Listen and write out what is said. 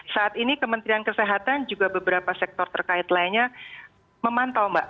saat ini kementerian kesehatan juga beberapa sektor terkait lainnya memantau mbak